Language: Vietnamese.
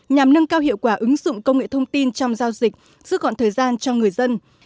nhằm nâng cao hiệu quả ứng dụng công nghệ thông tin trong giao dịch giữ gọn thời gian cho người dân